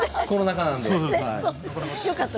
コロナ禍なので。